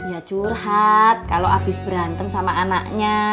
ya curhat kalo abis berantem sama anaknya